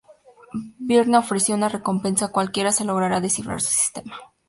Byrne ofreció una recompensa a cualquiera que lograra descifrar su sistema.